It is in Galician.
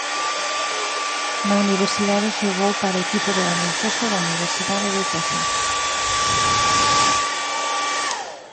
Na universidade xogou para o equipo de baloncesto da Universidade de Texas.